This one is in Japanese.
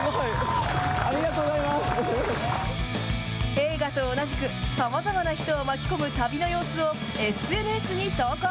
映画と同じく、さまざまな人を巻き込む旅の様子をＳＮＳに投稿。